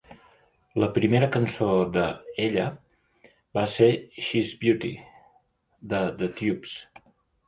La primera cançó de "Ella" va ser "She's a Beauty" de The Tubes.